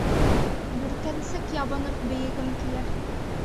Бөркәнсек ябынып бейегем килә.